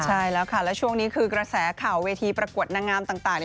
ใช่แล้วค่ะแล้วช่วงนี้คือกระแสข่าวเวทีประกวดนางงามต่าง